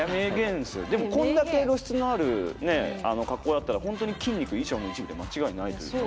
でも、これだけ露出のある格好だったら本当に筋肉、衣装の一部で間違いないですよね。